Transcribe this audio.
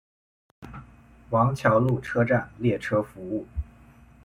王桥路车站列车服务。